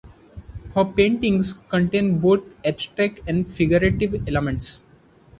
Her paintings contain both abstract and figurative elements.